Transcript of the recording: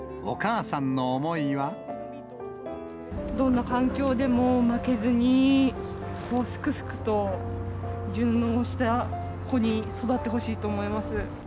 どんな環境でも、負けずに、すくすくと順応した子に育ってほしいと思います。